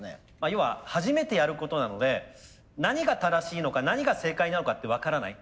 要は初めてやることなので何が正しいのか何が正解なのかって分からない。